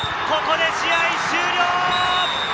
ここで試合終了！